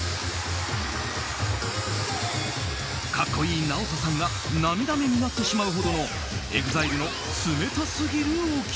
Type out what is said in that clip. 格好いいＮＡＯＴＯさんが涙目になってしまうほどのＥＸＩＬＥの冷たすぎる掟。